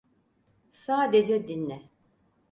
Sadece dinle.